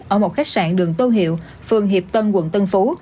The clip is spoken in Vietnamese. ở một khách sạn đường tô hiệu phường hiệp tân quận tân phú